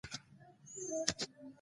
څوک چې زور لري هغه پر افغانستان پور لري.